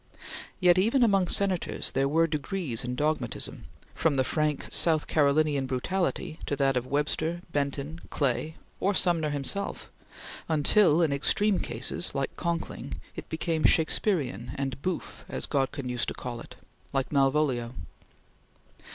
Yet even among Senators there were degrees in dogmatism, from the frank South Carolinian brutality, to that of Webster, Benton, Clay, or Sumner himself, until in extreme cases, like Conkling, it became Shakespearian and bouffe as Godkin used to call it like Malvolio.